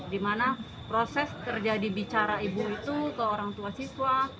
dimana proses terjadi bicara ibu itu ke orang tua siswa